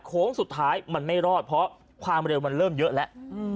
โค้งสุดท้ายมันไม่รอดเพราะความเร็วมันเริ่มเยอะแล้ว